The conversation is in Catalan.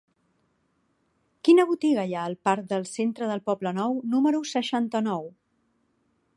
Quina botiga hi ha al parc del Centre del Poblenou número seixanta-nou?